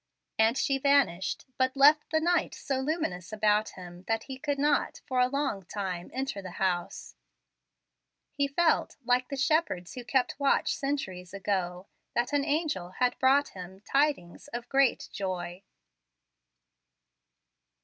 And she vanished, but left the night so luminous about him that he could not, for a long time, enter the house. He felt, like the shepherds who kept watch centuries ago, that an angel had brought him "tidings of great joy."